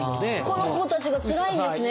この子たちがつらいんですね